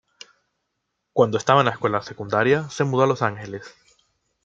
Cuando estaba en la escuela secundaria se mudó a Los Ángeles.